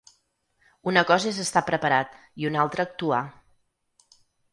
Una cosa és estar preparat i una altra actuar.